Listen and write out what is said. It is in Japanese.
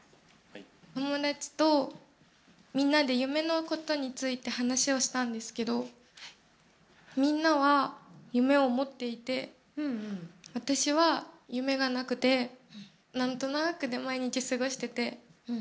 友達とみんなで夢のことについて話をしたんですけどみんなは夢を持っていて私は夢がなくてなんとなーくで毎日過ごしてて。